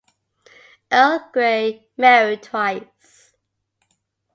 Earl Grey married twice.